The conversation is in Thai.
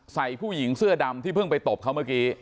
ใส่ผู้หญิงเสื้อดำที่เพิ่งไปตบเขาเมื่อกี้